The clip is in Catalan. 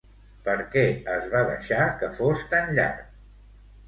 Per què es va deixar que fos tan llarg?